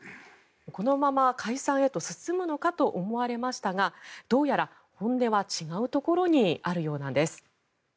このまま解散へと進むのかと思われましたがどうやら本音は違うところにあるようなんです。